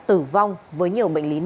tử vong với nhiều bệnh lý nền